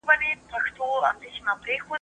زه له سهاره مځکي ته ګورم؟